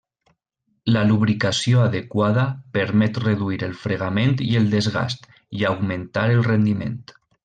Una lubricació adequada permet reduir el fregament i el desgast, i augmentar el rendiment.